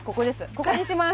ここにします。